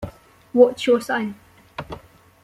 What's your sign?